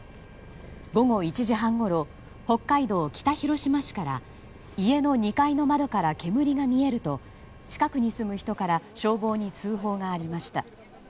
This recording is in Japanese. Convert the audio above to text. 午後１時半ごろ北海道北広島市から家の２階の窓から煙が見えると近くに住む人から消防に通報がありました。